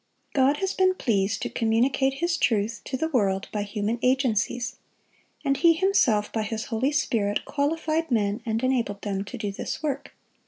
God has been pleased to communicate His truth to the world by human agencies, and He Himself, by His Holy Spirit, qualified men and enabled them to do this work.